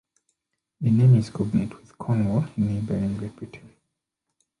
The name is cognate with Cornwall in neighbouring Great Britain.